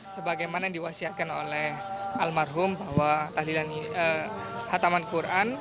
sebagaimana diwasiatkan oleh almarhum bahwa tahlilan khataman quran